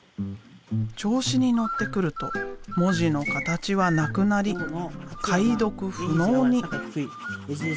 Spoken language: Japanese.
調子に乗ってくると文字の形はなくなり解読不能に。